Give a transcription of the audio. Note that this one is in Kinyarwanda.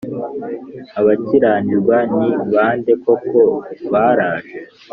Abakiranirwa ni ba nde koko baraje